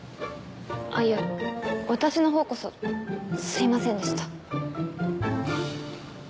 あっいや私のほうこそすいませんでした。